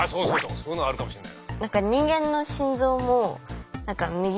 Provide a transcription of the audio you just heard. そういうのあるかもしれない。